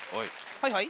はいはい？